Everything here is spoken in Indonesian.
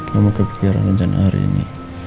kamu kepikiran rencana hari ini